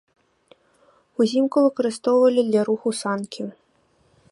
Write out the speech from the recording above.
Узімку выкарыстоўвалі для руху санкі.